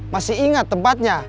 masih inget tempatnya